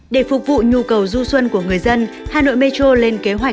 để phục vụ nhu cầu du xuân của người dân hà nội metro lên kế hoạch